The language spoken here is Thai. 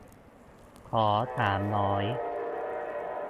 ขอสามร้อย